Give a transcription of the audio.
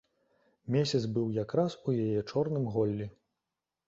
Месяц быў якраз у яе чорным голлі.